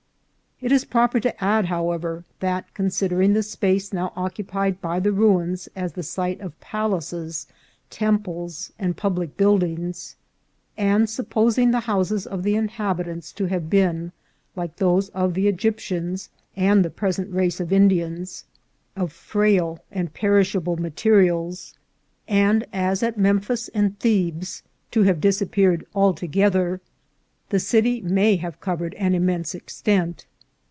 It is proper to add, however, that, considering the space now occupied by the ruins as the site of palaces, tem ples, and public buildings, and supposing the houses of the inhabitants to have been, like those of the Egyptians and the present race of Indians, of frail and perishable 356 INCIDENT* OF TRAVEL. materials, and, as at Memphis and Thebes, to have dis appeared altogether, the city may have covered an im mense extent.